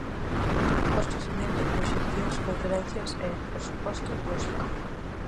Postos de venda, proxeccións, conferencias e, por suposto, música.